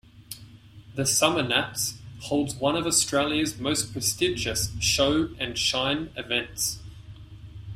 The Summernats holds one of Australia's most prestigious Show and Shine events.